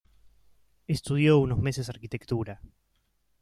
Estudió unos meses Arquitectura.